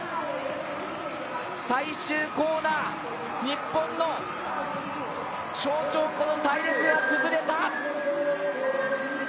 最終コーナー、日本の象徴隊列が崩れた！